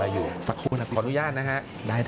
มาจากปันเทืองไทยรัฐ